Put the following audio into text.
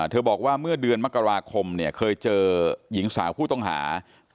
บอกว่าเมื่อเดือนมกราคมเนี่ยเคยเจอหญิงสาวผู้ต้องหา